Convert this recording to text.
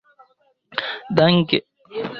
danke